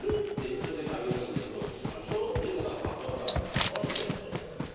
それで４人でトークしましょうというのがこの番組のコンセプトじゃないですか。